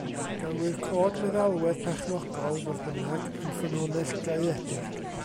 Gelwir cod meddalwedd perchnogol, fodd bynnag, yn ffynhonnell gaeedig.